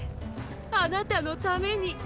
あなたのために！